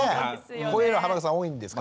こういうの濱口さん多いんですか？